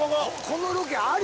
このロケあり？